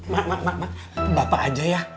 mak mak mak bapak aja ya